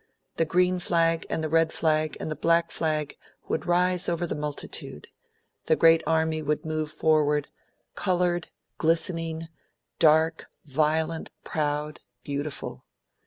The green flag and the red flag and the black flag would rise over the multitude. The great army would move forward, coloured, glistening, dark, violent, proud, beautiful.